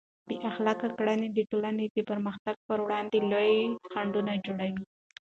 بې اخلاقه کړنې د ټولنې د پرمختګ پر وړاندې لوی خنډونه جوړوي.